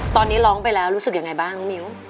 ตอนนี้ร้องไปแล้วรู้สึกยังไงบ้างน้องมิ้ว